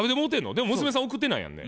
でも娘さん送ってないやんね。